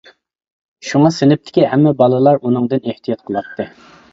شۇڭا سىنىپتىكى ھەممە بالىلار ئۇنىڭدىن ئېھتىيات قىلاتتى.